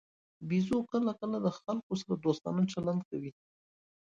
بیزو کله کله د خلکو سره دوستانه چلند کوي.